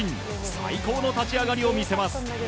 最高の立ち上がりを見せます。